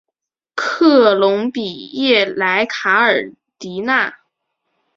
科隆比耶莱卡尔迪纳。